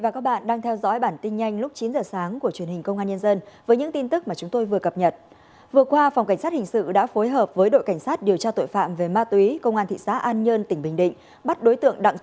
cảm ơn các bạn đã theo dõi